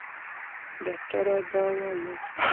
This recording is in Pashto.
ډاکټره دا وايي.